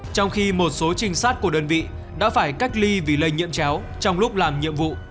trong khi một số trinh sát của đơn vị đã phải cách ly vì lây nhiễm chéo trong lúc làm nhiệm vụ